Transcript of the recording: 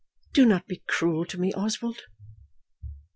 "Do not be cruel to me, Oswald."